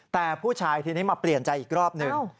แต่ผู้ชายทีนี้มาเปลี่ยนใจอีกรอบหนึ่ง